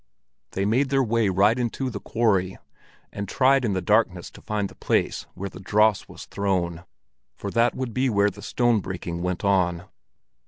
They made their way right into the quarry, and tried in the darkness to find the place where the dross was thrown, for that would be where the stone breaking went on.